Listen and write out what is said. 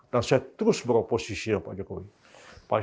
dan saya terus beroposisinya pak jokowi pak yusril bisa bayangkan